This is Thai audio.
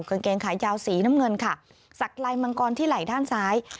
กางเกงขายาวสีน้ำเงินค่ะสักลายมังกรที่ไหล่ด้านซ้าย